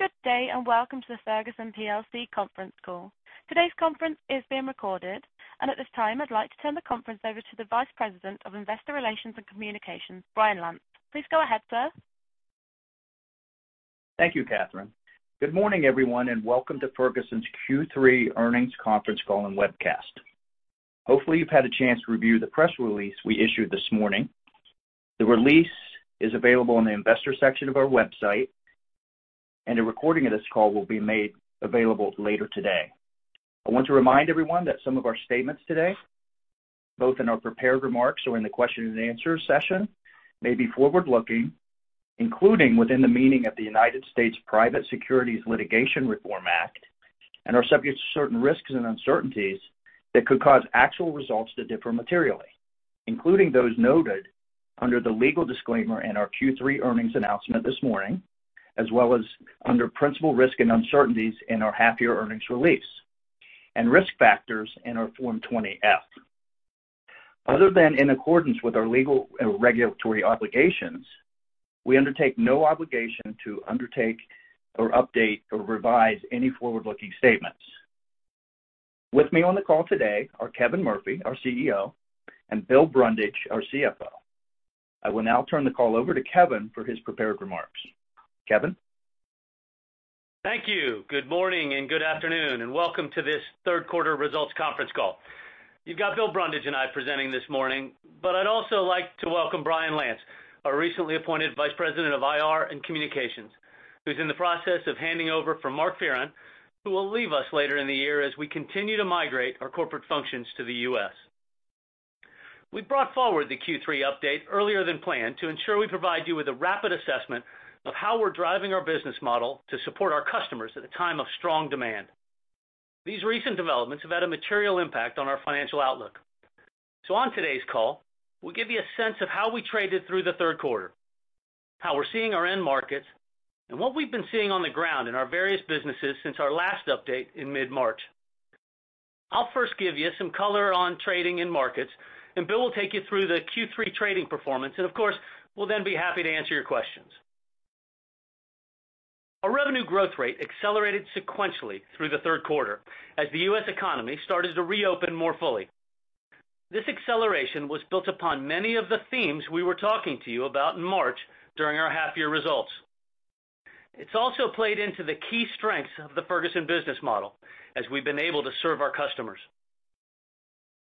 Good day, welcome to the Ferguson plc conference call. Today's conference is being recorded, at this time, I'd like to turn the conference over to the Vice President of Investor Relations and Communications, Brian Lantz. Please go ahead, sir. Thank you, Kathryn. Good morning, everyone, and welcome to Ferguson's Q3 earnings conference call and webcast. Hopefully, you've had a chance to review the press release we issued this morning. The release is available on the investor section of our website, and a recording of this call will be made available later today. I want to remind everyone that some of our statements today, both in our prepared remarks or in the question and answer session, may be forward-looking, including within the meaning of the United States Private Securities Litigation Reform Act, and are subject to certain risks and uncertainties that could cause actual results to differ materially, including those noted under the legal disclaimer in our Q3 earnings announcement this morning, as well as under principal risk and uncertainties in our half-year earnings release and risk factors in our Form 20-F. Other than in accordance with our legal and regulatory obligations, we undertake no obligation to undertake or update or revise any forward-looking statements. With me on the call today are Kevin Murphy, our CEO, and Bill Brundage, our CFO. I will now turn the call over to Kevin for his prepared remarks. Kevin? Thank you. Good morning and good afternoon, welcome to this third quarter results conference call. You've got Bill Brundage and I presenting this morning. I'd also like to welcome Brian Lantz, our recently appointed Vice President of IR and Communications, who's in the process of handing over from Mark Fearon, who will leave us later in the year as we continue to migrate our corporate functions to the U.S. We brought forward the Q3 update earlier than planned to ensure we provide you with a rapid assessment of how we're driving our business model to support our customers at a time of strong demand. These recent developments have had a material impact on our financial outlook. On today's call, we'll give you a sense of how we traded through the third quarter, how we're seeing our end markets, and what we've been seeing on the ground in our various businesses since our last update in mid-March. I'll first give you some color on trading and markets, and Bill will take you through the Q3 trading performance. Of course, we'll then be happy to answer your questions. Our revenue growth rate accelerated sequentially through the third quarter as the U.S. economy started to reopen more fully. This acceleration was built upon many of the themes we were talking to you about in March during our half-year results. It's also played into the key strengths of the Ferguson business model as we've been able to serve our customers.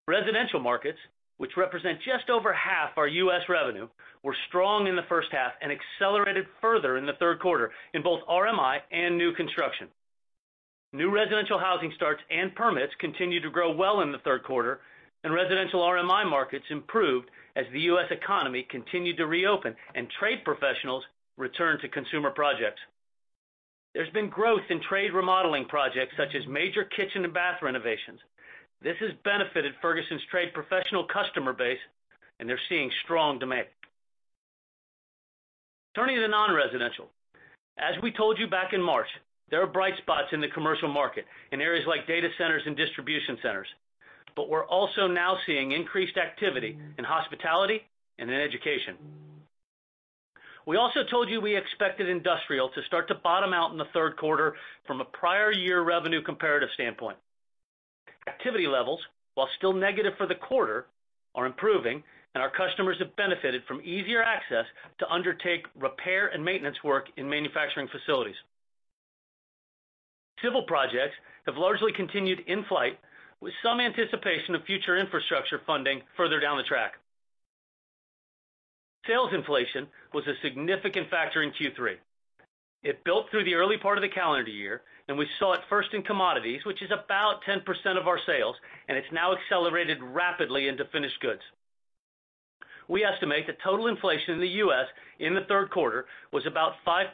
Residential markets, which represent just over half our U.S. revenue, were strong in the first half and accelerated further in the third quarter in both RMI and new construction. New residential housing starts and permits continued to grow well in the third quarter, and residential RMI markets improved as the U.S. economy continued to reopen and trade professionals returned to consumer projects. There's been growth in trade remodeling projects such as major kitchen and bath renovations. This has benefited Ferguson's trade professional customer base, and they're seeing strong demand. Turning to non-residential, as we told you back in March, there are bright spots in the commercial market in areas like data centers and distribution centers, but we're also now seeing increased activity in hospitality and in education. We also told you we expected industrial to start to bottom out in the third quarter from a prior year revenue comparative standpoint. Activity levels, while still negative for the quarter, are improving, and our customers have benefited from easier access to undertake repair and maintenance work in manufacturing facilities. Civil projects have largely continued in flight with some anticipation of future infrastructure funding further down the track. Sales inflation was a significant factor in Q3. It built through the early part of the calendar year, and we saw it first in commodities, which is about 10% of our sales, and it's now accelerated rapidly into finished goods. We estimate that total inflation in the U.S. in the third quarter was about 5%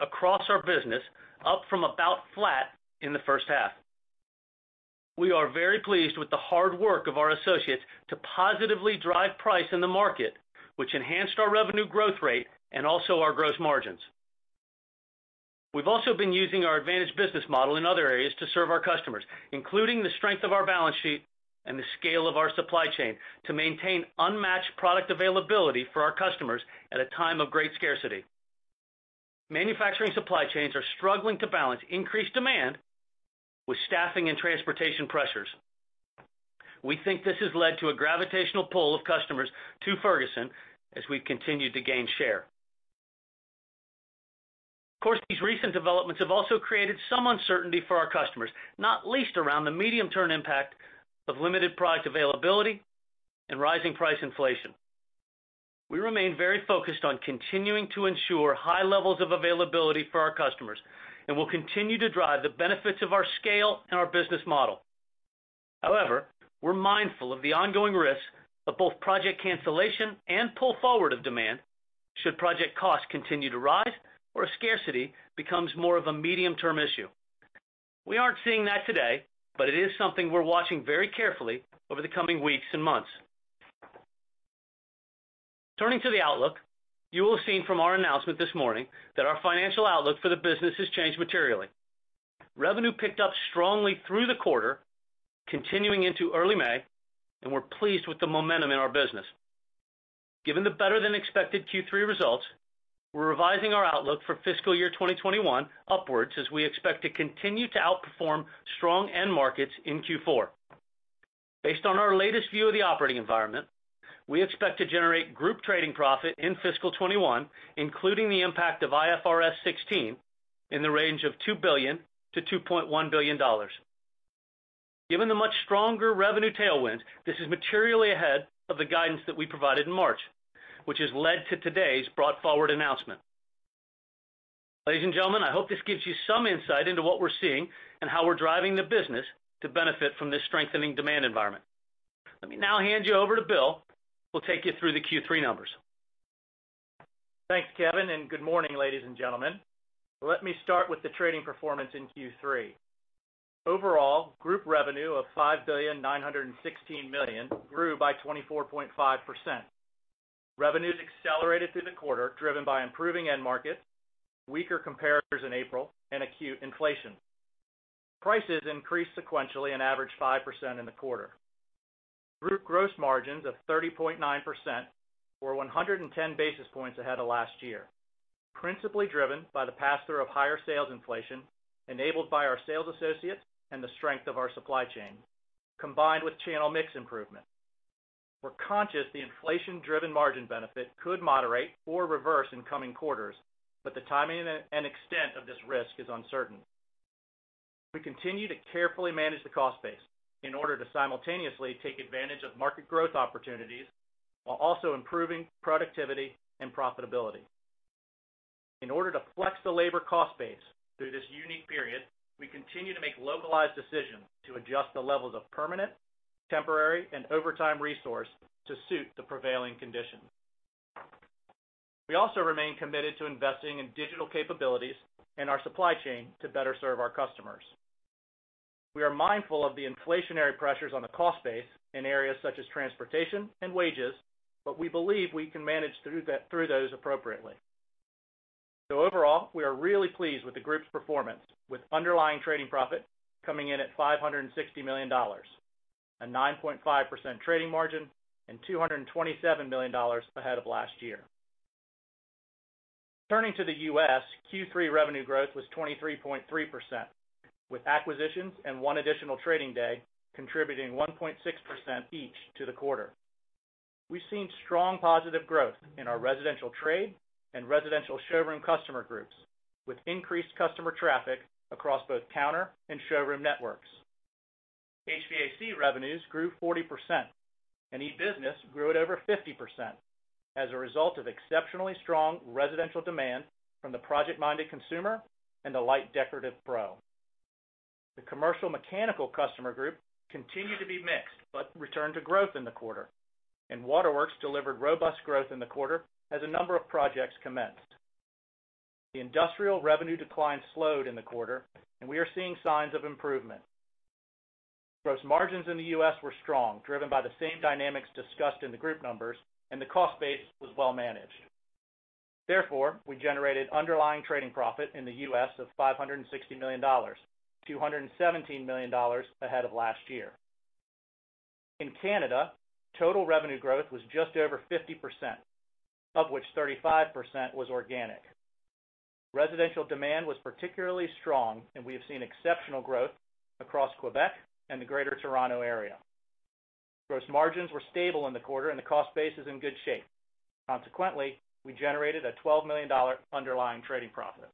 across our business, up from about flat in the first half. We are very pleased with the hard work of our associates to positively drive price in the market, which enhanced our revenue growth rate and also our gross margins. We've also been using our advantage business model in other areas to serve our customers, including the strength of our balance sheet and the scale of our supply chain to maintain unmatched product availability for our customers at a time of great scarcity. Manufacturing supply chains are struggling to balance increased demand with staffing and transportation pressures. We think this has led to a gravitational pull of customers to Ferguson as we've continued to gain share. Of course, these recent developments have also created some uncertainty for our customers, not least around the medium-term impact of limited price availability and rising price inflation. We remain very focused on continuing to ensure high levels of availability for our customers and will continue to drive the benefits of our scale and our business model. However, we're mindful of the ongoing risks of both project cancellation and pull forward of demand should project costs continue to rise or scarcity becomes more of a medium-term issue. We aren't seeing that today, but it is something we're watching very carefully over the coming weeks and months. Turning to the outlook, you will have seen from our announcement this morning that our financial outlook for the business has changed materially. Revenue picked up strongly through the quarter, continuing into early May, and we're pleased with the momentum in our business. Given the better than expected Q3 results, we're revising our outlook for fiscal year 2021 upwards as we expect to continue to outperform strong end markets in Q4. Based on our latest view of the operating environment, we expect to generate group trading profit in fiscal 2021, including the impact of IFRS 16, in the range of $2 billion-$2.1 billion. Given the much stronger revenue tailwinds, this is materially ahead of the guidance that we provided in March, which has led to today's brought forward announcement. Ladies and gentlemen, I hope this gives you some insight into what we're seeing and how we're driving the business to benefit from this strengthening demand environment. Let me now hand you over to Bill, who will take you through the Q3 numbers. Thanks, Kevin, and good morning, ladies and gentlemen. Let me start with the trading performance in Q3. Overall, group revenue of $5,916,000,000 grew by 24.5%. Revenues accelerated through the quarter, driven by improving end markets, weaker comparators in April, and acute inflation. Prices increased sequentially and averaged 5% in the quarter. Group gross margins of 30.9% were 110 basis points ahead of last year, principally driven by the pass-through of higher sales inflation enabled by our sales associates and the strength of our supply chain, combined with channel mix improvement. We're conscious the inflation-driven margin benefit could moderate or reverse in coming quarters, but the timing and extent of this risk is uncertain. We continue to carefully manage the cost base in order to simultaneously take advantage of market growth opportunities while also improving productivity and profitability. In order to flex the labor cost base through this unique period, we continue to make localized decisions to adjust the levels of permanent, temporary, and overtime resource to suit the prevailing conditions. We also remain committed to investing in digital capabilities and our supply chain to better serve our customers. We are mindful of the inflationary pressures on the cost base in areas such as transportation and wages, but we believe we can manage through those appropriately. Overall, we are really pleased with the group's performance, with underlying trading profit coming in at $560 million, a 9.5% trading margin, and $227 million ahead of last year. Turning to the U.S., Q3 revenue growth was 23.3%, with acquisitions and one additional trading day contributing 1.6% each to the quarter. We've seen strong positive growth in our residential trade and residential showroom customer groups, with increased customer traffic across both counter and showroom networks. HVAC revenues grew 40%, and e-business grew at over 50% as a result of exceptionally strong residential demand from the project-minded consumer and the light decorative pro. The commercial mechanical customer group continued to be mixed but returned to growth in the quarter, and Waterworks delivered robust growth in the quarter as a number of projects commenced. The industrial revenue decline slowed in the quarter, and we are seeing signs of improvement. Gross margins in the U.S. were strong, driven by the same dynamics discussed in the group numbers, and the cost base was well managed. Therefore, we generated underlying trading profit in the U.S. of $560 million, $217 million ahead of last year. In Canada, total revenue growth was just over 50%, of which 35% was organic. Residential demand was particularly strong, and we have seen exceptional growth across Quebec and the Greater Toronto Area. Gross margins were stable in the quarter, and the cost base is in good shape. Consequently, we generated a $12 million underlying trading profit.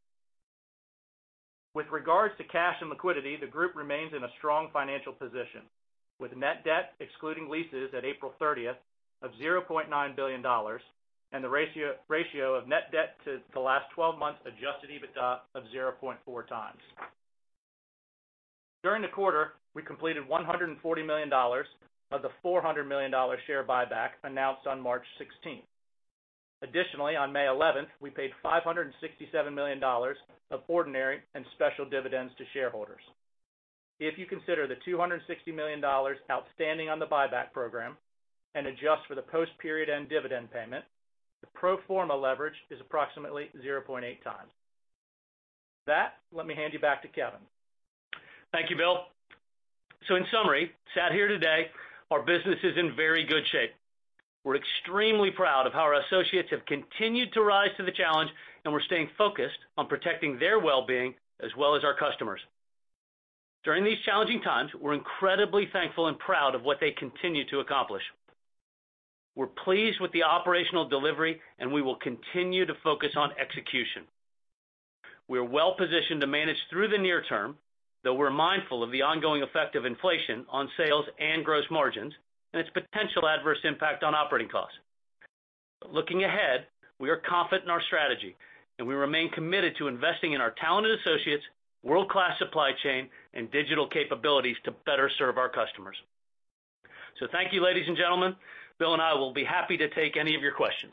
With regards to cash and liquidity, the group remains in a strong financial position, with net debt excluding leases at April 30th of $0.9 billion and the ratio of net debt to last 12 months Adjusted EBITDA of 0.4x. During the quarter, we completed $140 million of the $400 million share buyback announced on March 16th. Additionally, on May 11th, we paid $567 million of ordinary and special dividends to shareholders. If you consider the $260 million outstanding on the buyback program and adjust for the post-period end dividend payment, the pro forma leverage is approximately 0.8x. With that, let me hand you back to Kevin. Thank you, Bill. In summary, sat here today, our business is in very good shape. We're extremely proud of how our associates have continued to rise to the challenge, and we're staying focused on protecting their well-being as well as our customers. During these challenging times, we're incredibly thankful and proud of what they continue to accomplish. We're pleased with the operational delivery, and we will continue to focus on execution. We are well-positioned to manage through the near term, though we're mindful of the ongoing effect of inflation on sales and gross margins and its potential adverse impact on operating costs. Looking ahead, we are confident in our strategy, and we remain committed to investing in our talented associates, world-class supply chain, and digital capabilities to better serve our customers. Thank you, ladies and gentlemen. Bill and I will be happy to take any of your questions.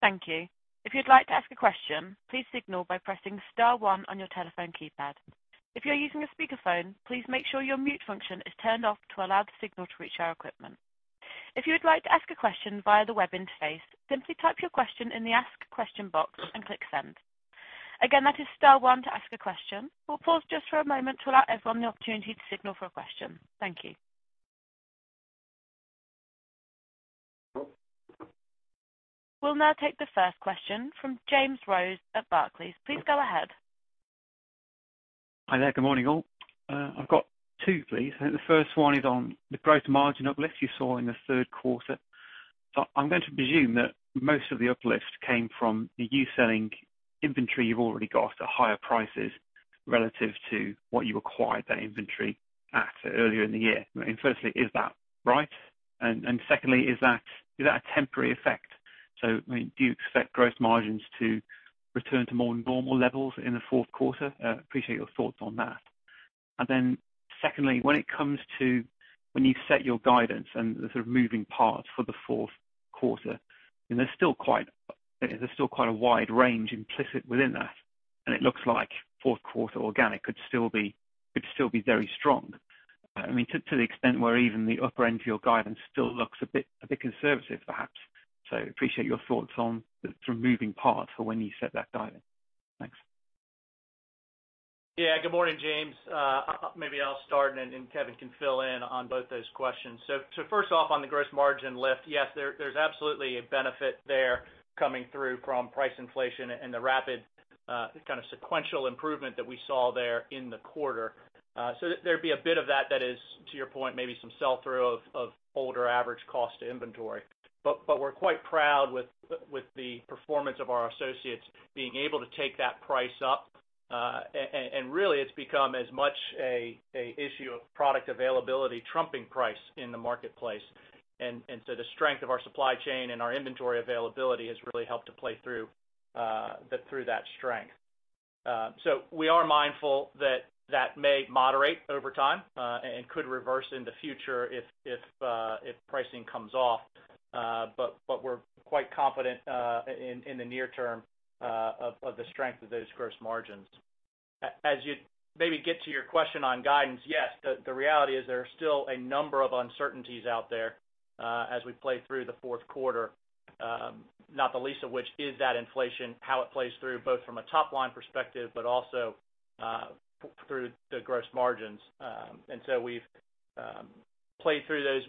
Thank you. If you'd like to ask a question, please signal by pressing star one on your telephone keypad. If you're using a speakerphone, please make sure your mute function is turned off to allow the signal to reach our equipment. If you'd like to ask a question via the web interface, simply type your question in the Ask Question box and click Send. Again, that is star one to ask the question. We'll pause just for a moment to allow everyone the opportunity to signal for a question. Thank you. We'll now take the first question from James Rose at Barclays. Please go ahead. Hi there. Good morning, all. I've got two, please. The first one is on the gross margin uplift you saw in the third quarter. I'm going to presume that most of the uplift came from you selling inventory you've already got at higher prices relative to what you acquired that inventory at earlier in the year. Firstly, is that right? Secondly, is that a temporary effect? Do you expect gross margins to return to more normal levels in the fourth quarter? I appreciate your thoughts on that. Secondly, when it comes to when you set your guidance and the sort of moving parts for the fourth quarter, there's still quite a wide range implicit within that. It looks like fourth quarter organic could still be very strong. To the extent where even the upper end to your guidance still looks a bit conservative, perhaps. Appreciate your thoughts on the sort of moving parts for when you set that guidance. Thanks. Good morning, James. I'll start and then Kevin can fill in on both those questions. First off, on the gross margin lift, yes, there's absolutely a benefit there coming through from price inflation and the rapid kind of sequential improvement that we saw there in the quarter. There'd be a bit of that is, to your point, maybe some sell-through of older average cost of inventory. We're quite proud with the performance of our associates being able to take that price up. Really, it's become as much an issue of product availability trumping price in the marketplace. The strength of our supply chain and our inventory availability has really helped to play through that strength. We are mindful that may moderate over time, and could reverse in the future if pricing comes off. We're quite confident in the near term of the strength of those gross margins. As you maybe get to your question on guidance, yes, the reality is there are still a number of uncertainties out there as we play through the fourth quarter. Not the least of which is that inflation, how it plays through, both from a top-line perspective, but also through the gross margins. We've played through those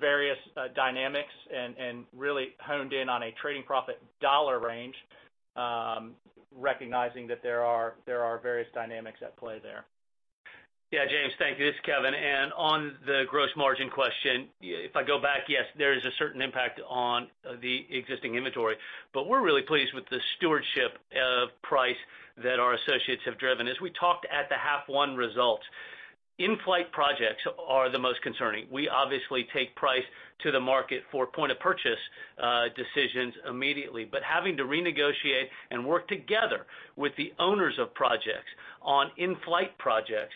various dynamics and really honed in on a trading profit dollar range, recognizing that there are various dynamics at play there. Yeah, James, thank you. This is Kevin. On the gross margin question, if I go back, yes, there is a certain impact on the existing inventory, but we're really pleased with the stewardship of price that our associates have driven. As we talked at the half one results, in-flight projects are the most concerning. We obviously take price to the market for point-of-purchase decisions immediately. Having to renegotiate and work together with the owners of projects on in-flight projects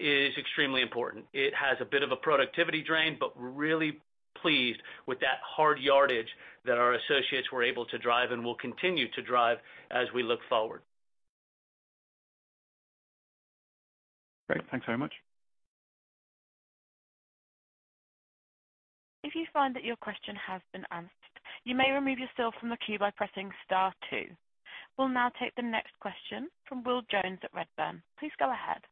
is extremely important. It has a bit of a productivity drain, but we're really pleased with that hard yardage that our associates were able to drive and will continue to drive as we look forward. Great. Thanks very much. If you find that your question has been answered, you may remove yourself from the queue by pressing star two. We'll now take the next question from Will Jones at Redburn. Please go ahead.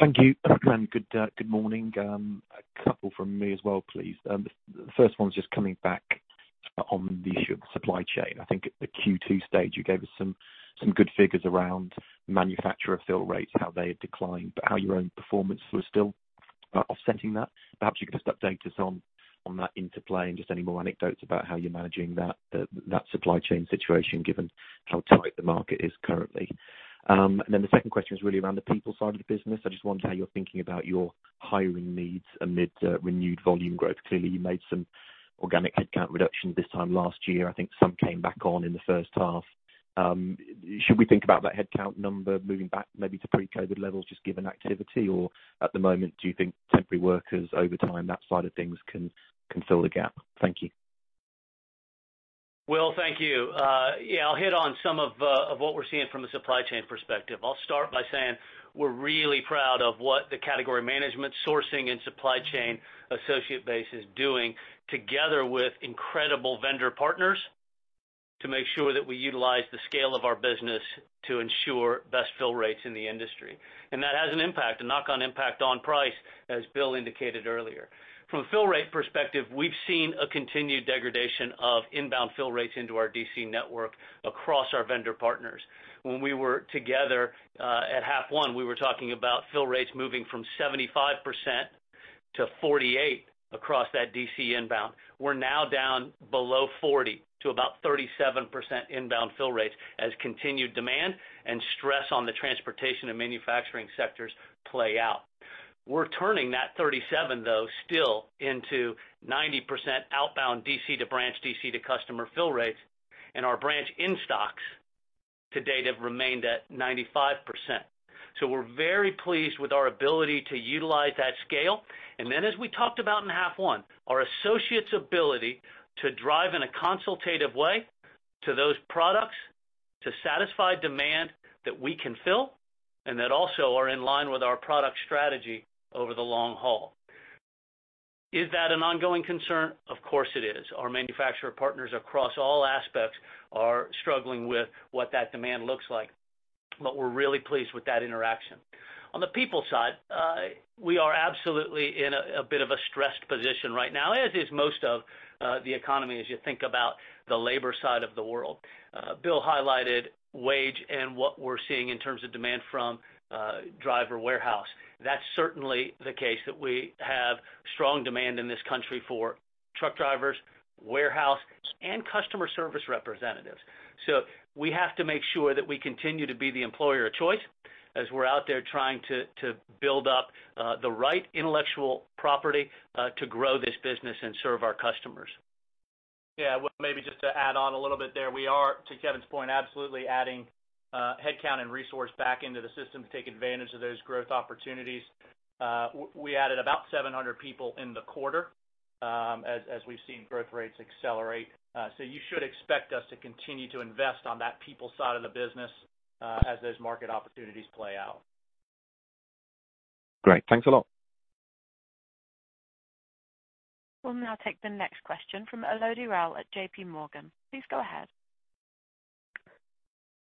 Thank you. Good morning. A couple from me as well, please. The first one's just coming back on the supply chain. I think at the Q2 stage, you gave us some good figures around manufacturer fill rates, how they had declined, but how your own performance was still offsetting that. Perhaps you could update us on that interplay and just any more anecdotes about how you're managing that supply chain situation, given how tight the market is currently. The second question is really around the people side of the business. I just wonder how you're thinking about your hiring needs amid renewed volume growth. Clearly, you made some organic headcount reductions this time last year. I think some came back on in the first half. Should we think about that headcount number moving back maybe to pre-COVID levels, just given activity? At the moment, do you think temporary workers, overtime, that side of things can fill the gap? Thank you. Will, thank you. Yeah, I'll hit on some of what we're seeing from a supply chain perspective. I'll start by saying we're really proud of what the category management sourcing and supply chain associate base is doing together with incredible vendor partners to make sure that we utilize the scale of our business to ensure best fill rates in the industry. That has a knock-on impact on price, as Bill indicated earlier. From a fill rate perspective, we've seen a continued degradation of inbound fill rates into our DC network across our vendor partners. When we were together at half one, we were talking about fill rates moving from 75%-48% across that DC inbound. We're now down below 40% to about 37% inbound fill rates as continued demand and stress on the transportation and manufacturing sectors play out. We're turning that 37% though, still into 90% outbound DC to branch, DC to customer fill rates, and our branch in stocks to-date have remained at 95%. We're very pleased with our ability to utilize that scale. Then, as we talked about in half one, our associates' ability to drive in a consultative way to those products to satisfy demand that we can fill and that also are in line with our product strategy over the long haul. Is that an ongoing concern? Of course it is. Our manufacturer partners across all aspects are struggling with what that demand looks like, but we're really pleased with that interaction. On the people side, we are absolutely in a bit of a stressed position right now, as is most of the economy, as you think about the labor side of the world. Bill highlighted wage and what we're seeing in terms of demand from driver warehouse. That's certainly the case that we have strong demand in this country for truck drivers, warehouse, and customer service representatives. We have to make sure that we continue to be the employer of choice as we're out there trying to build up the right intellectual property to grow this business and serve our customers. Yeah. Will, maybe just to add on a little bit there. We are, to Kevin's point, absolutely adding headcount and resource back into the system to take advantage of those growth opportunities. We added about 700 people in the quarter as we've seen growth rates accelerate. You should expect us to continue to invest on that people side of the business as those market opportunities play out. Great. Thanks a lot. We'll now take the next question from Elodie Rall at JPMorgan. Please go ahead.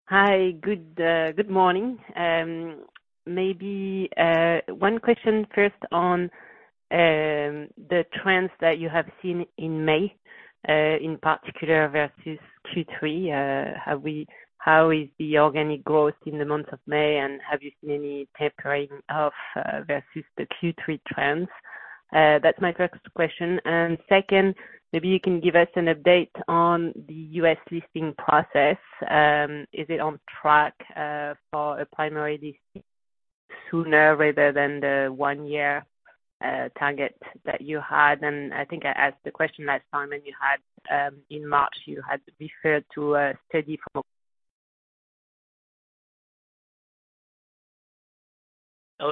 Hi. Good morning. Maybe one question first on the trends that you have seen in May, in particular versus Q3. Have you seen any tapering off versus the Q3 trends? That's my first question. Second, maybe you can give us an update on the U.S. listing process. Is it on track for a primary listing sooner rather than the one-year target that you had? I think I asked the question last time when you had in March, you had referred to a 34- Elodie,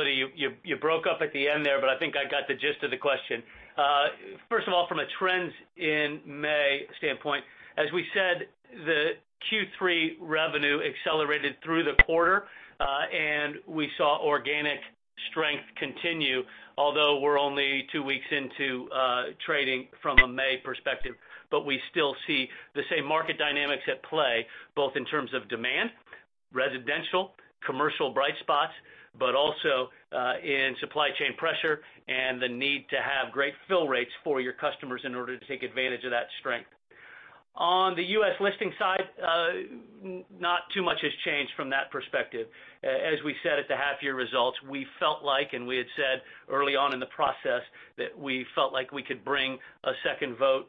you broke up at the end there. I think I got the gist of the question. First of all, from a trends in May standpoint, as we said, the Q3 revenue accelerated through the quarter, and we saw organic strength continue, although we're only two weeks into trading from a May perspective. We still see the same market dynamics at play, both in terms of demand, residential, commercial bright spots, but also in supply chain pressure and the need to have great fill rates for your customers in order to take advantage of that strength. On the U.S. listing side, not too much has changed from that perspective. As we said at the half year results, we felt like, and we had said early on in the process, that we felt like we could bring a second vote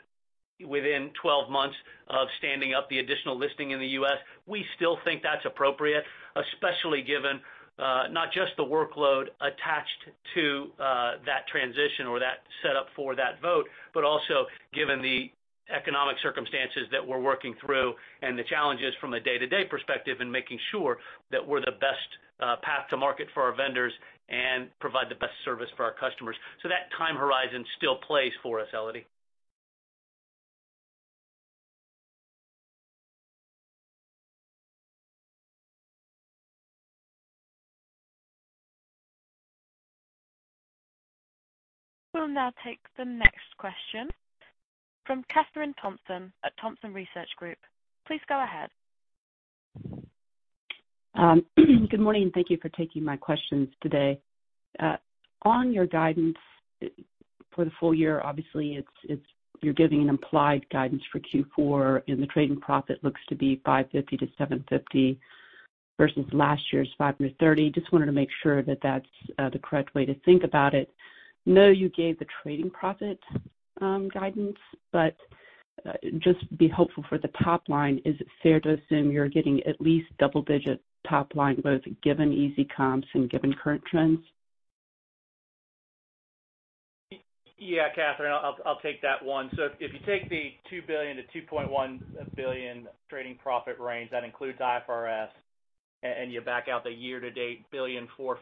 within 12 months of standing up the additional listing in the U.S. We still think that's appropriate, especially given not just the workload attached to that transition or that set up for that vote, but also given the economic circumstances that we're working through and the challenges from a day-to-day perspective in making sure that we're the best path to market for our vendors and provide the best service for our customers. That time horizon still plays for us, Elodie. We'll now take the next question from Kathryn Thompson at Thompson Research Group. Please go ahead. Good morning. Thank you for taking my questions today. On your guidance for the full year, obviously, you're giving implied guidance for Q4, and the trading profit looks to be $550-$750 versus last year's $530. Just wanted to make sure that that's the correct way to think about it. I know you gave the trading profit guidance, but just be helpful for the top line, is it fair to assume you're giving at least double-digit top line both given easy comps and given current trends? Yeah, Kathryn, I'll take that one. If you take the $2 billion-$2.1 billion trading profit range, that includes IFRS, and you back out the year-to-date $1.454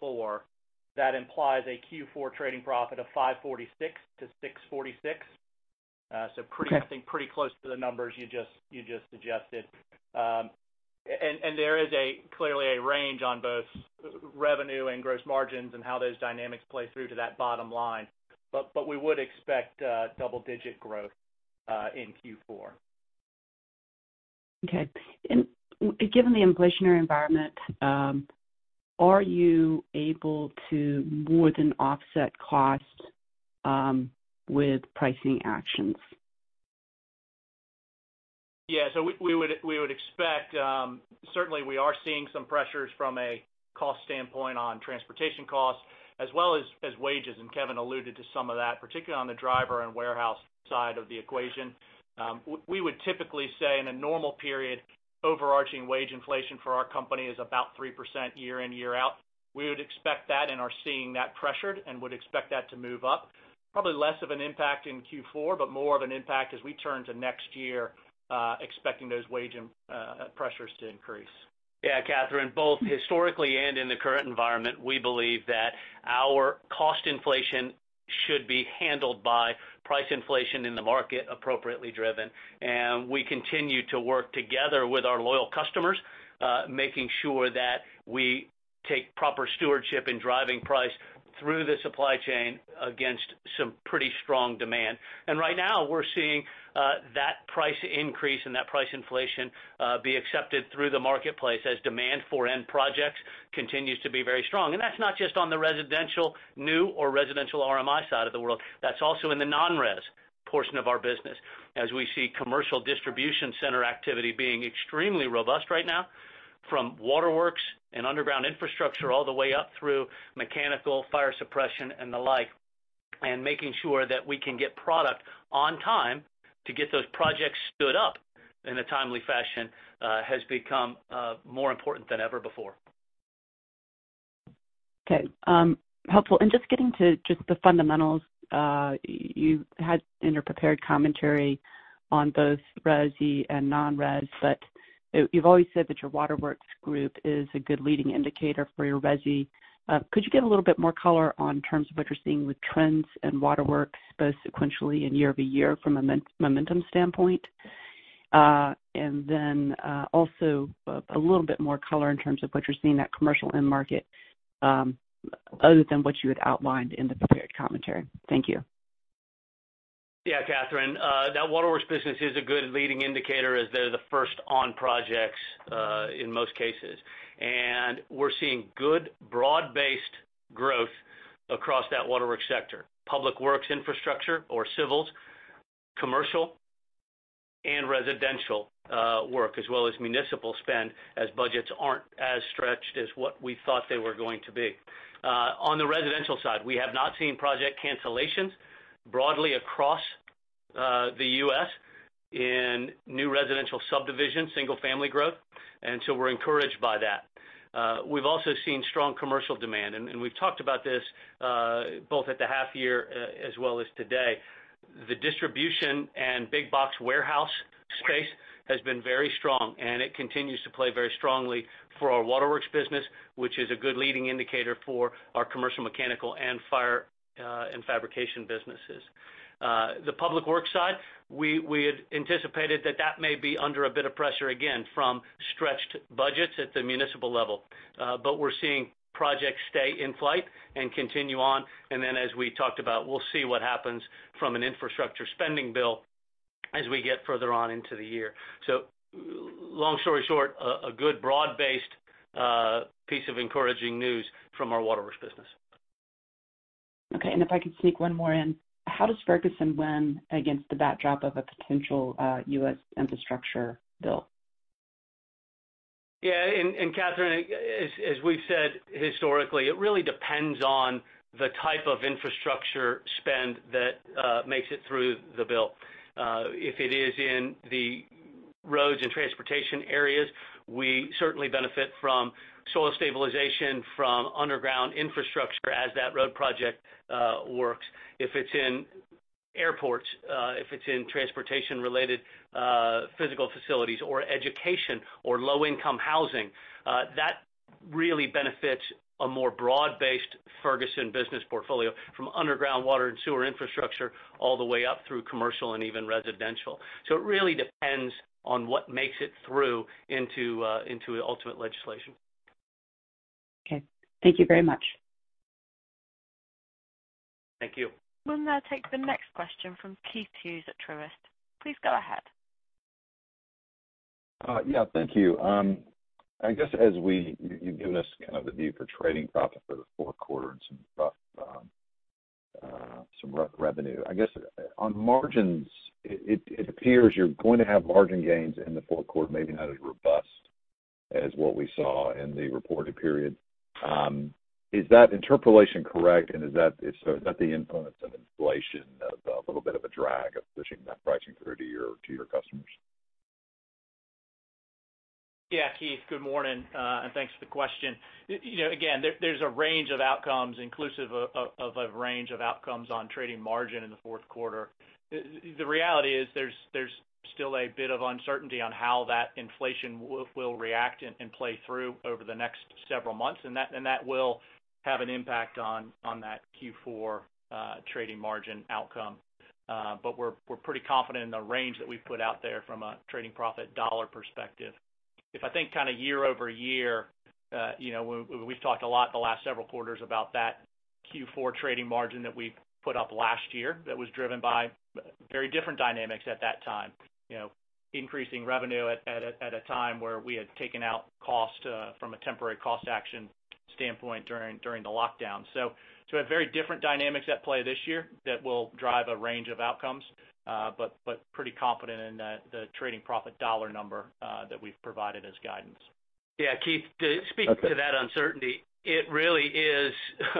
billion, that implies a Q4 trading profit of $546 million-$646 million. Pretty close to the numbers you just suggested. There is clearly a range on both revenue and gross margins and how those dynamics play through to that bottom line. We would expect double-digit growth in Q4. Okay. Given the inflationary environment, are you able to more than offset costs with pricing actions? Yeah. We would expect, certainly we are seeing some pressures from a cost standpoint on transportation costs as well as wages, and Kevin alluded to some of that, particularly on the driver and warehouse side of the equation. We would typically say in a normal period, overarching wage inflation for our company is about 3% year in, year out. We would expect that and are seeing that pressured and would expect that to move up. Probably less of an impact in Q4, but more of an impact as we turn to next year, expecting those wage pressures to increase. Yeah, Kathryn, both historically and in the current environment, we believe that our cost inflation should be handled by price inflation in the market appropriately driven. We continue to work together with our loyal customers, making sure that we take proper stewardship in driving price through the supply chain against some pretty strong demand. Right now we're seeing that price increase and that price inflation be accepted through the marketplace as demand for end projects continues to be very strong. That's not just on the residential, new or residential RMI side of the world, that's also in the non-res portion of our business, as we see commercial distribution center activity being extremely robust right now, from Waterworks and underground infrastructure, all the way up through mechanical, fire suppression, and the like, and making sure that we can get product on time to get those projects stood up in a timely fashion has become more important than ever before. Okay. Helpful. Just getting to just the fundamentals, you had in your prepared commentary on both resi and non-resi, but you've always said that your Waterworks is a good leading indicator for your resi. Could you give a little bit more color on terms of what you're seeing with trends in Waterworks, both sequentially and year-over-year from a momentum standpoint? Also a little bit more color in terms of what you're seeing in that commercial end market, other than what you had outlined in the prepared commentary. Thank you. Yeah, Kathryn, that Waterworks business is a good leading indicator as they're the first on projects, in most cases. We're seeing good broad-based growth across that Waterworks sector. Public works infrastructure or civils, commercial, and residential work, as well as municipal spend, as budgets aren't as stretched as what we thought they were going to be. On the residential side, we have not seen project cancellations broadly across the U.S. in new residential subdivision, single-family growth, and so we're encouraged by that. We've also seen strong commercial demand, and we've talked about this, both at the half year as well as today. The distribution and big box warehouse space has been very strong, and it continues to play very strongly for our Waterworks business, which is a good leading indicator for our commercial mechanical and fire, and fabrication businesses. The public works side, we had anticipated that that may be under a bit of pressure, again, from stretched budgets at the municipal level. We're seeing projects stay in flight and continue on, and then as we talked about, we'll see what happens from an infrastructure spending bill as we get further on into the year. Long story short, a good broad-based piece of encouraging news from our Waterworks business. Okay. If I could sneak one more in. How does Ferguson win against the backdrop of a potential U.S. infrastructure bill? Yeah, and Kathryn, as we've said historically, it really depends on the type of infrastructure spend that makes it through the bill. If it is in the roads and transportation areas, we certainly benefit from soil stabilization, from underground infrastructure as that road project works. If it's in airports, if it's in transportation related physical facilities or education or low-income housing, that really benefits a more broad-based Ferguson business portfolio from underground water and sewer infrastructure all the way up through commercial and even residential. It really depends on what makes it through into the ultimate legislation. Okay. Thank you very much. Thank you. We'll now take the next question from Keith Hughes at Truist. Please go ahead. Yeah. Thank you. I guess as you give us kind of a deeper trading profit for the fourth quarter and some rough revenue, I guess on margins, it appears you're going to have margin gains in the fourth quarter, maybe not as robust as what we saw in the reported period. Is that interpolation correct, and so is that the influence of inflation, of a little bit of a drag of pushing that pricing through to your customers? Yeah, Keith, good morning, and thanks for the question. There's a range of outcomes inclusive of a range of outcomes on trading margin in the fourth quarter. The reality is there's still a bit of uncertainty on how that inflation will react and play through over the next several months, and that will have an impact on that Q4 trading margin outcome. We're pretty confident in the range that we've put out there from a trading profit dollar perspective. If I think kind of year-over-year, we've talked a lot the last several quarters about that Q4 trading margin that we put up last year that was driven by very different dynamics at that time. Increasing revenue at a time where we had taken out cost from a temporary cost action standpoint during the lockdown. We have very different dynamics at play this year that will drive a range of outcomes, but pretty confident in the trading profit dollar number that we've provided as guidance. Yeah, Keith, to speak to that uncertainty, it really is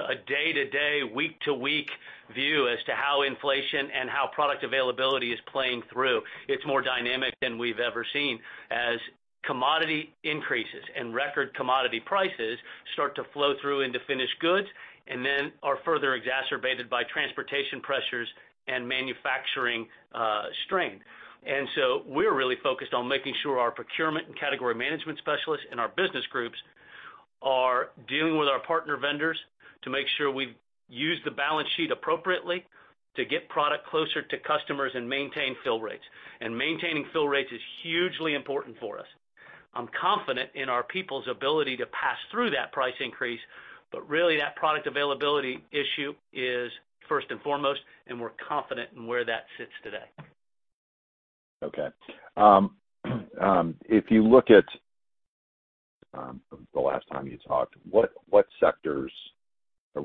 a day-to-day, week-to-week view as to how inflation and how product availability is playing through. It's more dynamic than we've ever seen as commodity increases and record commodity prices start to flow through into finished goods, and then are further exacerbated by transportation pressures and manufacturing strain. We're really focused on making sure our procurement and category management specialists and our business groups are dealing with our partner vendors to make sure we use the balance sheet appropriately to get product closer to customers and maintain fill rates. Maintaining fill rates is hugely important for us. I'm confident in our people's ability to pass through that price increase, but really that product availability issue is first and foremost, and we're confident in where that sits today. Okay. If you look at the last time you talked, what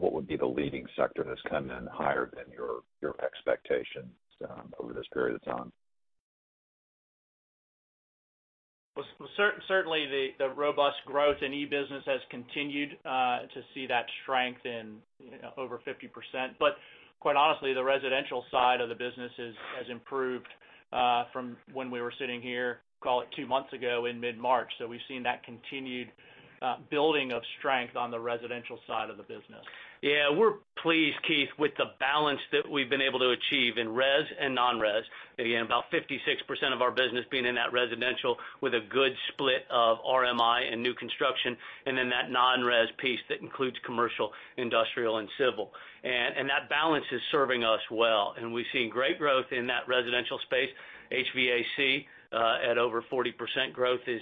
would be the leading sector that's coming in higher than your expectations over this period of time? Certainly, the robust growth in e-business has continued to see that strength in over 50%. Quite honestly, the residential side of the business has improved from when we were sitting here, call it two months ago in mid-March. We've seen that continued building of strength on the residential side of the business. Yeah, we're pleased, Keith, with the balance that we've been able to achieve in res and non-res. About 56% of our business being in that residential with a good split of RMI and new construction, and then that non-res piece that includes commercial, industrial and civil. That balance is serving us well, and we've seen great growth in that residential space. HVAC at over 40% growth is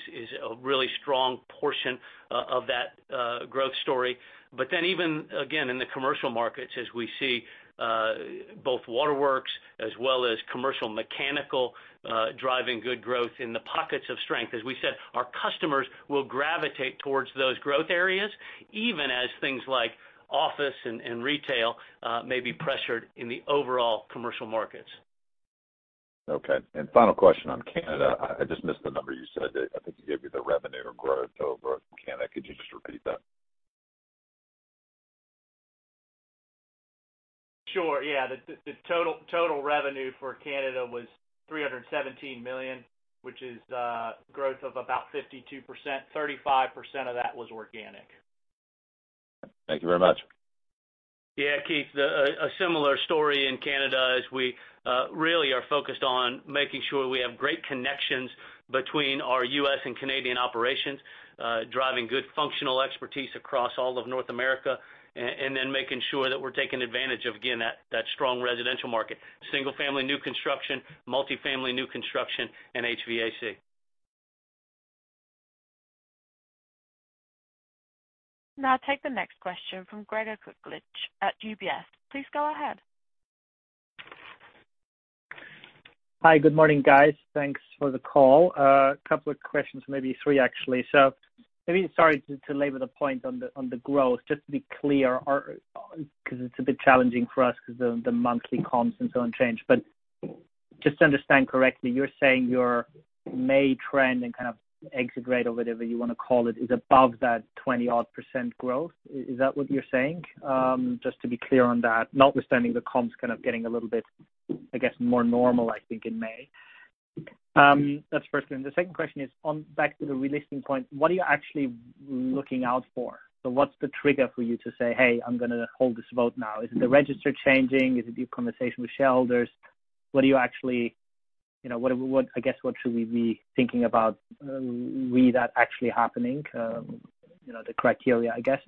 a really strong portion of that growth story. Even, again, in the commercial markets, as we see both Waterworks as well as commercial mechanical driving good growth in the pockets of strength. As we said, our customers will gravitate towards those growth areas, even as things like office and retail may be pressured in the overall commercial markets. Okay, final question on Canada. I just missed the number you said. I think you gave me the revenue growth over Canada. Could you just repeat that? Sure, yeah. The total revenue for Canada was $317 million, which is growth of about 52%. 35% of that was organic. Thank you very much. Yeah, Keith, a similar story in Canada as we really are focused on making sure we have great connections between our U.S. and Canadian operations, driving good functional expertise across all of North America, and then making sure that we're taking advantage of, again, that strong residential market: single family new construction, multifamily new construction, and HVAC. Now I'll take the next question from Gregor Kuglitsch at UBS. Please go ahead. Hi. Good morning, guys. Thanks for the call. A couple of questions, maybe three actually. Maybe sorry to labor the point on the growth. Just to be clear, because it's a bit challenging for us because of the monthly comps and zone change. Just to understand correctly, you're saying your May trend and kind of exit rate or whatever you want to call it, is above that 20-odd percent growth. Is that what you're saying? Just to be clear on that, notwithstanding the comps kind of getting a little bit, I guess, more normal, I think, in May. That's the first thing. The second question is back to the relisting point. What's the trigger for you to say, hey, I'm going to hold this vote now. Is the register changing? Is it your conversation with shareholders? I guess what should we be thinking about re that actually happening? The criteria, I guess.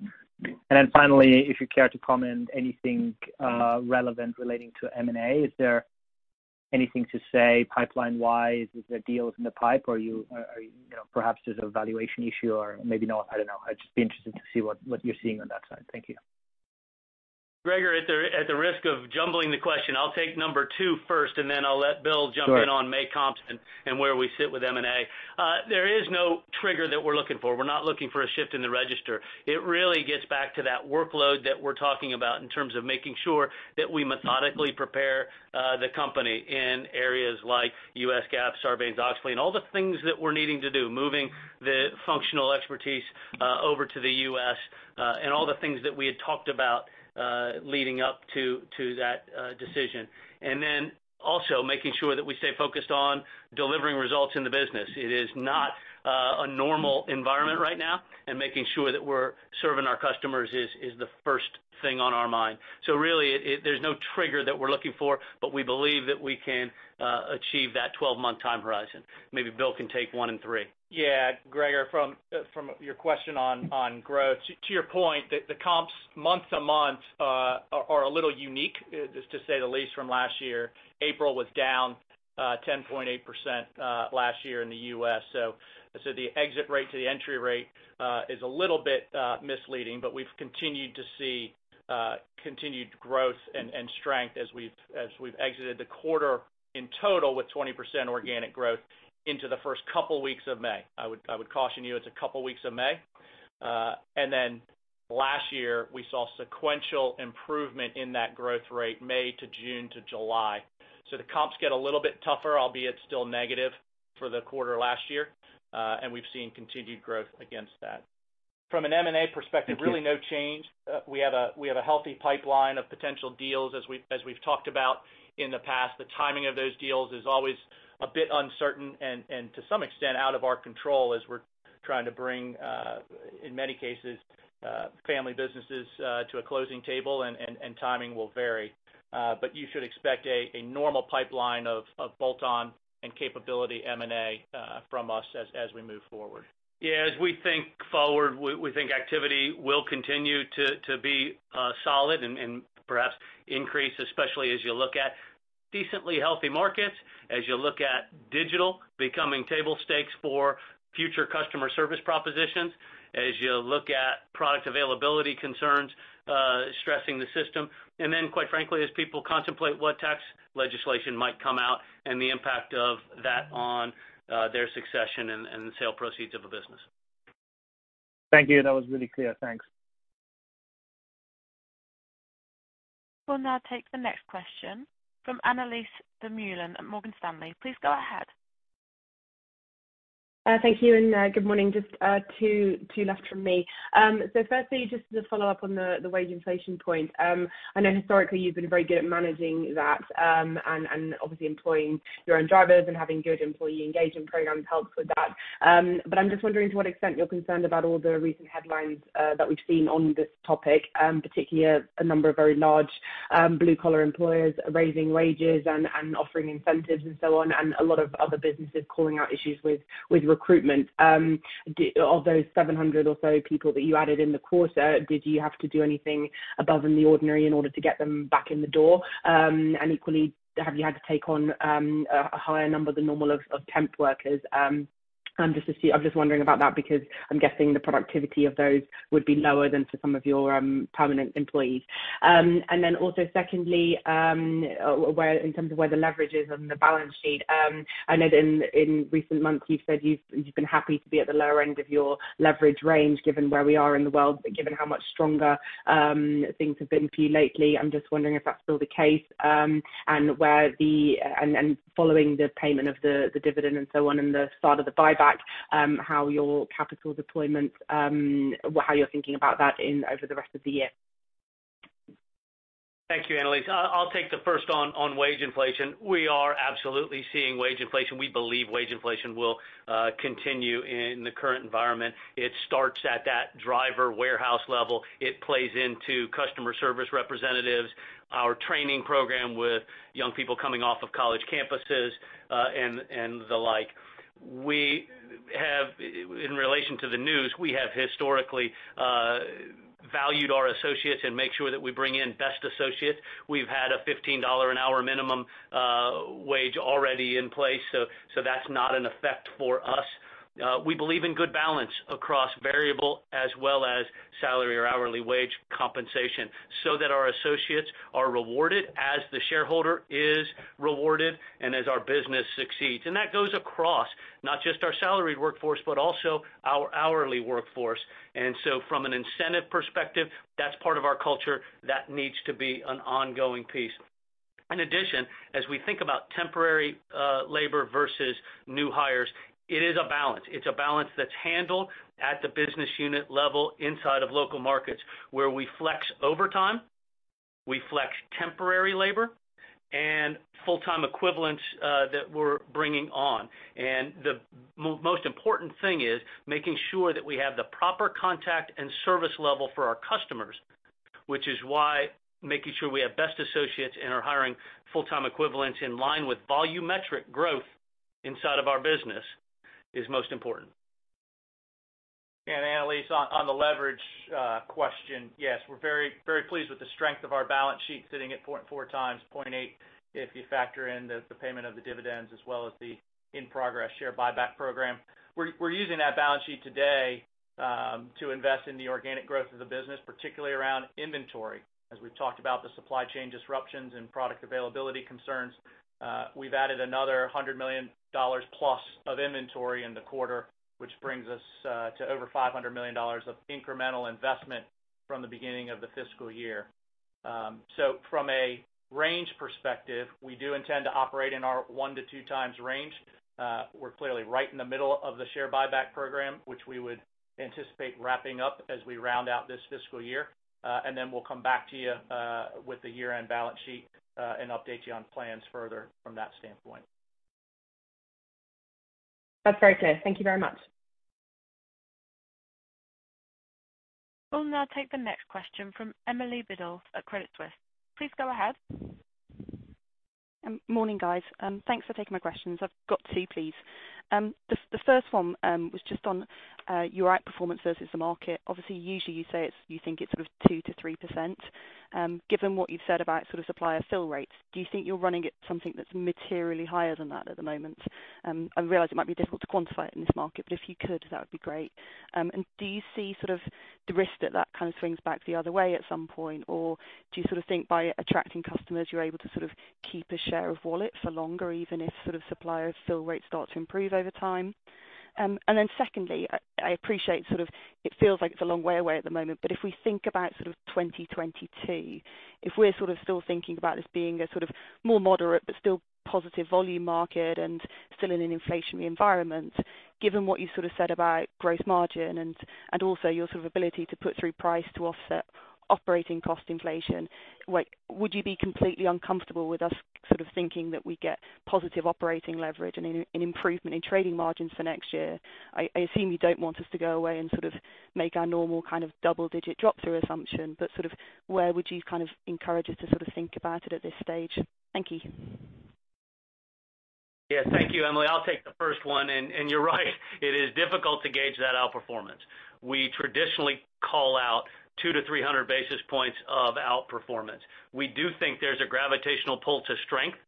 Then finally, if you care to comment anything relevant relating to M&A, is there anything to say pipeline wise? Is there deals in the pipe or perhaps there's a valuation issue or maybe not, I don't know. I'd just be interested to see what you're seeing on that side. Thank you. Gregor, at the risk of jumbling the question, I'll take number two first, and then I'll let Bill jump in on May comps and where we sit with M&A. There is no trigger that we're looking for. We're not looking for a shift in the register. It really gets back to that workload that we're talking about in terms of making sure that we methodically prepare the company in areas like U.S. GAAP, Sarbanes-Oxley, and all the things that we're needing to do, moving the functional expertise over to the U.S. and all the things that we had talked about leading up to that decision. Also making sure that we stay focused on delivering results in the business. It is not a normal environment right now, making sure that we're serving our customers is the first thing on our mind. Really, there's no trigger that we're looking for, but we believe that we can achieve that 12-month time horizon. Maybe Bill can take one and three. Yeah, Gregor, from your question on growth, to your point, the comps month-to-month are a little unique, just to say the least, from last year. April was down 10.8% last year in the U.S. I'd say the exit rate to the entry rate is a little bit misleading, but we've continued to see continued growth and strength as we've exited the quarter in total with 20% organic growth into the first couple weeks of May. I would caution you, it's a couple weeks of May. Last year, we saw sequential improvement in that growth rate May to June to July. The comps get a little bit tougher, albeit still negative for the quarter last year. We've seen continued growth against that. From an M&A perspective, really no change. We have a healthy pipeline of potential deals as we've talked about in the past. The timing of those deals is always a bit uncertain and to some extent out of our control as we're trying to bring, in many cases, family businesses to a closing table and timing will vary. You should expect a normal pipeline of bolt-on and capability M&A from us as we move forward. Yeah, as we think forward, we think activity will continue to be solid and perhaps increase, especially as you look at decently healthy markets as you look at digital becoming table stakes for future customer service propositions, as you look at product availability concerns stressing the system, and then quite frankly, as people contemplate what tax legislation might come out and the impact of that on their succession and the sale proceeds of the business. Thank you. That was really clear. Thanks. We'll now take the next question from Annelies Vermeulen at Morgan Stanley. Please go ahead. Thank you and good morning. Just two left from me. Firstly, just to follow up on the wage inflation point. I know historically you've been very good at managing that, and obviously employing your own drivers and having good employee engagement programs helps with that. I'm just wondering to what extent you're concerned about all the recent headlines that we've seen on this topic, particularly a number of very large blue-collar employers raising wages and offering incentives and so on, and a lot of other businesses calling out issues with recruitment. Of those 700 or so people that you added in the quarter, did you have to do anything above and the ordinary in order to get them back in the door? Equally, have you had to take on a higher number than normal of temp workers? I'm just wondering about that because I'm guessing the productivity of those would be lower than some of your permanent employees. Also secondly, in terms of where the leverage is on the balance sheet. I know in recent months you've said you've been happy to be at the lower end of your leverage range given where we are in the world, but given how much stronger things have been for you lately, I'm just wondering if that's still the case, and following the payment of the dividend and so on in the start of the buyback, how you're thinking about that over the rest of the year. Thank you, Annelies. I'll take the first on wage inflation. We are absolutely seeing wage inflation. We believe wage inflation will continue in the current environment. It starts at that driver warehouse level. It plays into customer service representatives, our training program with young people coming off of college campuses, and the like. In relation to the news, we have historically valued our associates and make sure that we bring in best associates. We've had a $15 an hour minimum wage already in place, so that's not an effect for us. We believe in good balance across variable as well as salary or hourly wage compensation so that our associates are rewarded as the shareholder is rewarded and as our business succeeds. That goes across not just our salaried workforce, but also our hourly workforce. From an incentive perspective, that's part of our culture. That needs to be an ongoing piece. As we think about temporary labor versus new hires, it is a balance. It's a balance that's handled at the business unit level inside of local markets where we flex overtime, we flex temporary labor, and full-time equivalents that we're bringing on. The most important thing is making sure that we have the proper contact and service level for our customers, which is why making sure we have best associates and are hiring full-time equivalents in line with volumetric growth inside of our business is most important. Annelies, on the leverage question, yes, we're very pleased with the strength of our balance sheet sitting at 0.4x, 0.8x if you factor in the payment of the dividends as well as the in-progress share buyback program. We're using that balance sheet today to invest in the organic growth of the business, particularly around inventory. As we've talked about the supply chain disruptions and product availability concerns, we've added another $100+ million of inventory in the quarter, which brings us to over $500 million of incremental investment from the beginning of the fiscal year. From a range perspective, we do intend to operate in our 1x-2x range. We're clearly right in the middle of the share buyback program, which we would anticipate wrapping up as we round out this fiscal year. We'll come back to you with the year-end balance sheet and update you on plans further from that standpoint. That's very clear. Thank you very much. We'll now take the next question from Emily Biddulph at Credit Suisse. Please go ahead. Morning, guys. Thanks for taking my questions. I've got two, please. The first one was just on your outperformance versus the market. Obviously, usually you say you think it's sort of 2%-3%. Given what you said about supplier fill rates, do you think you're running at something that's materially higher than that at the moment? I realize it might be difficult to quantify it in this market, but if you could, that would be great. Do you see the risk that kind of swings back the other way at some point? Do you think by attracting customers, you're able to keep a share of wallet for longer, even if supplier fill rates start to improve over time? Secondly, I appreciate it feels like it's a long way away at the moment, but if we think about 2022, if we're still thinking about this being a sort of more moderate but still positive volume market and still in an inflationary environment, given what you said about gross margin and also your ability to put through price to offset operating cost inflation, would you be completely uncomfortable with us thinking that we'd get positive operating leverage and an improvement in trading margins for next year? I assume you don't want us to go away and make our normal kind of double-digit drop through assumption, but where would you encourage us to think about it at this stage? Thank you. Yeah, thank you. I'll take the first one, you're right, it is difficult to gauge that outperformance. We traditionally call out 200-300 basis points of outperformance. We do think there's a gravitational pull to strength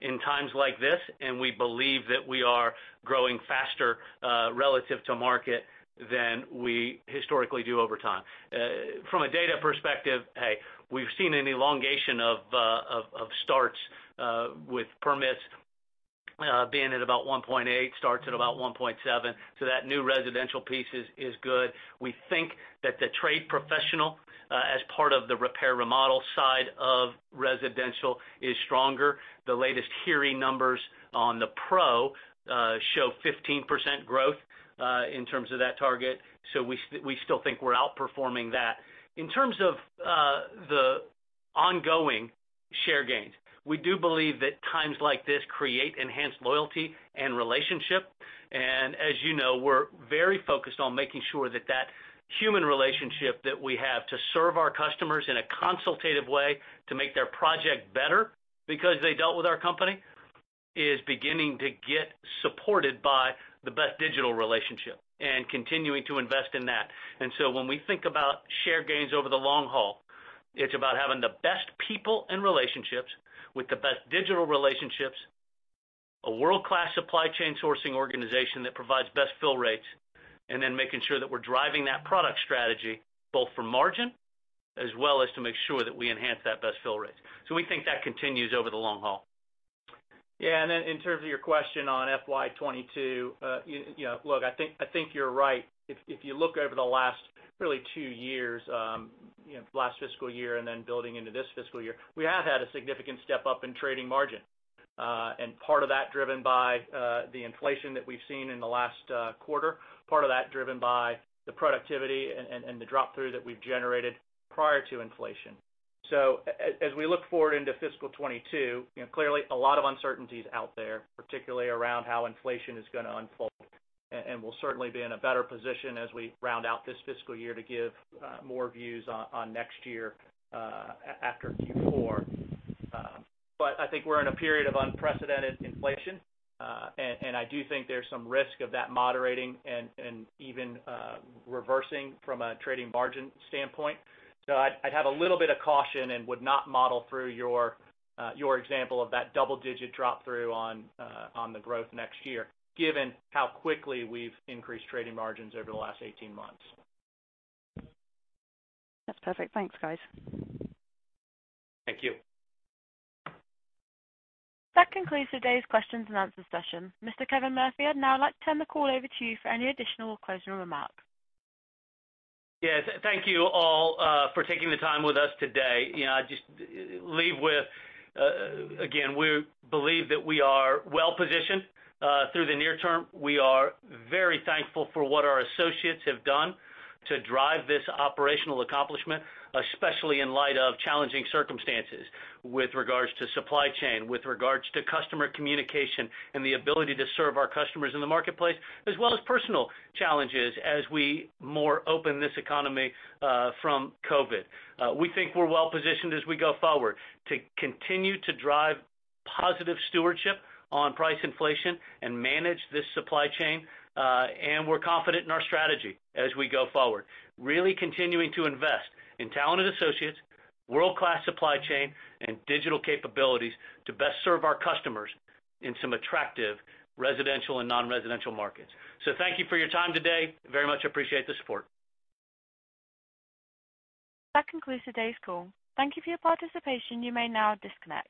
in times like this, and we believe that we are growing faster relative to market than we historically do over time. From a data perspective, A, we've seen an elongation of starts with permits being at about 1.8 starts at about 1.7. That new residential piece is good. We think that the trade professional as part of the repair remodel side of residential is stronger. The latest HIRI numbers on the pro show 15% growth in terms of that target, so we still think we're outperforming that. In terms of the ongoing share gains, we do believe that times like this create enhanced loyalty and relationship, and as you know, we're very focused on making sure that that human relationship that we have to serve our customers in a consultative way to make their project better because they dealt with our company, is beginning to get supported by the best digital relationship and continuing to invest in that. When we think about share gains over the long haul, it's about having the best people and relationships with the best digital relationships, a world-class supply chain sourcing organization that provides best fill rates, and then making sure that we're driving that product strategy both for margin as well as to make sure that we enhance that best fill rate. We think that continues over the long haul. Yeah, in terms of your question on FY 2022, look, I think you're right. If you look over the last really two years, last fiscal year and then building into this fiscal year, we have had a significant step up in trading margin. Part of that driven by the inflation that we've seen in the last quarter, part of that driven by the productivity and the drop-through that we've generated prior to inflation. As we look forward into fiscal 2022, clearly a lot of uncertainties out there, particularly around how inflation is going to unfold, and we'll certainly be in a better position as we round out this fiscal year to give more views on next year after Q4. I think we're in a period of unprecedented inflation. I do think there's some risk of that moderating and even reversing from a trading margin standpoint. I'd have a little bit of caution and would not model through your example of that double-digit drop-through on the growth next year, given how quickly we've increased trading margins over the last 18 months. That's perfect. Thanks, guys. Thank you. That concludes today's questions and answer session. Mr. Kevin Murphy, I'd now like to turn the call over to you for any additional closing remarks. Yes. Thank you all for taking the time with us today. Just leave with, again, we believe that we are well-positioned through the near term. We are very thankful for what our associates have done to drive this operational accomplishment, especially in light of challenging circumstances with regards to supply chain, with regards to customer communication and the ability to serve our customers in the marketplace, as well as personal challenges as we more open this economy from COVID. We think we're well-positioned as we go forward to continue to drive positive stewardship on price inflation and manage this supply chain. We're confident in our strategy as we go forward, really continuing to invest in talented associates, world-class supply chain, and digital capabilities to best serve our customers in some attractive residential and non-residential markets. Thank you for your time today. Very much appreciate the support. That concludes today's call. Thank you for your participation. You may now disconnect.